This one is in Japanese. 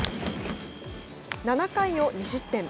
７回を２失点。